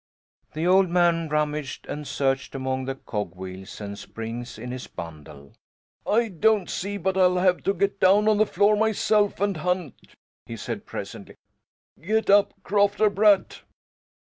The old man rummaged and searched among the cog wheels and springs in his bundle. "I don't see but I'll have to get down on the floor myself, and hunt," he said presently. "Get up, crofter brat!"